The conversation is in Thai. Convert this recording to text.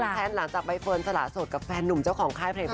แทนหลังจากใบเฟิร์นสละสดกับแฟนหนุ่มเจ้าของค่ายเพลง